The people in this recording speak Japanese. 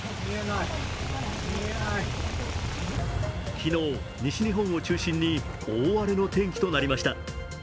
昨日、西日本を中心に大荒れの天気となりました。